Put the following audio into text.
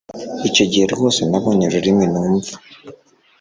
Icyo gihe rwose nabonye ururimi numva